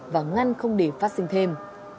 và ngăn không để phát sinh thêm